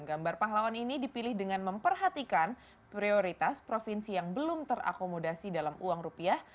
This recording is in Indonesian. gambar pahlawan ini dipilih dengan memperhatikan prioritas provinsi yang belum terakomodasi dalam uang rupiah